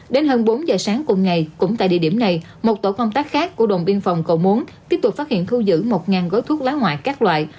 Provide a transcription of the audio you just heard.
đến hơn bốn giờ sáng cùng ngày cũng tại địa điểm này một tổ công tác khác của đồn biên phòng cầu muốn tiếp tục phát hiện thu giữ một gói thuốc lá ngoại các loại